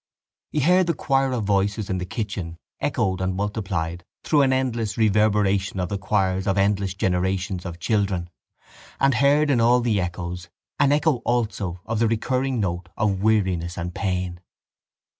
He heard the choir of voices in the kitchen echoed and multiplied through an endless reverberation of the choirs of endless generations of children and heard in all the echoes an echo also of the recurring note of weariness and pain.